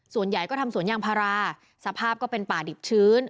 ส่วนใหญ่ก็ทำสวนยางพาราสภาพก็เป็นป่าดิบชื้น